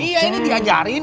iya ini diajarin